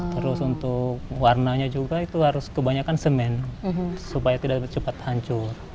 terus untuk warnanya juga itu harus kebanyakan semen supaya tidak cepat hancur